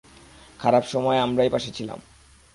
খারাপ সময়ে আমরাই পাশে ছিলাম।